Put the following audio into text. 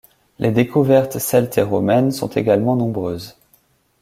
Les découvertes celtes et romaines sont également nombreuses.